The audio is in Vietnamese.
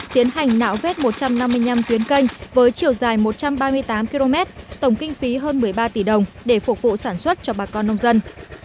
tiến hành nạo vết một trăm năm mươi năm tuyến canh với chiều dài một trăm ba mươi tám km tổng kinh phí hơn một mươi ba tỷ đồng để phục vụ sản xuất cho bà con nông dân